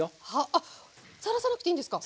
あっさらさなくていいんですか？